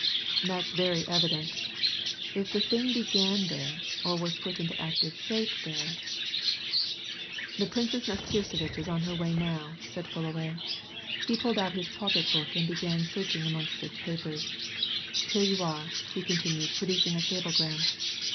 "That's very evident. If the thing began there, or was put into active shape there " "The Princess Nastirsevitch is on her way now," said Fullaway. He pulled out his pocket book, and began searching amongst its papers. "Here you are," he continued producing a cablegram.